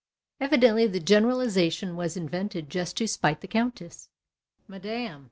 Evidently the generalization was invented just to spite the countess. Mme.